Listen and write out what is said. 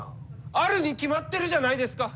あるに決まってるじゃないですか！